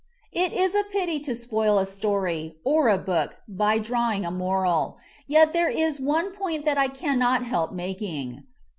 It is a pity to spoil a story, or a book, by draw ing a moral, yet there is one point that I cannot help making.